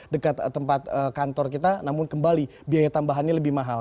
dekat tempat kantor kita namun kembali biaya tambahannya lebih mahal